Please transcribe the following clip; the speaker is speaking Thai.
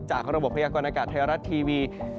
ระบบพยากรณากาศไทยรัฐทีวี